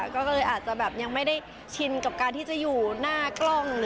ก็เลยอาจจะแบบยังไม่ได้ชินกับการที่จะอยู่หน้ากล้อง